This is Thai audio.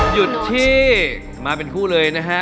หยุดที่มาเป็นคู่เลยนะฮะ